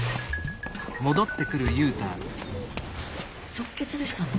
即決でしたね。